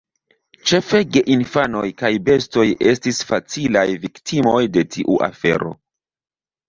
Ĉefe geinfanoj kaj bestoj estis facilaj viktimoj de tiu afero.